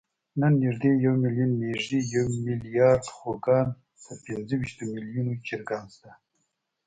نن نږدې یو میلیون مېږې، یو میلیارد خوګان، تر پینځهویشتو میلیونو چرګان شته.